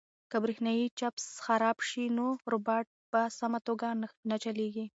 که برېښنايي چپس خراب شي نو روبوټ په سمه توګه نه چلیږي.